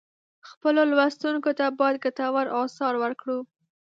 خپلو لوستونکو ته باید ګټور آثار ورکړو.